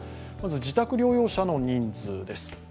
自宅療養者の人数です。